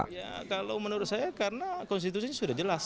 ya kalau menurut saya karena konstitusi sudah jelas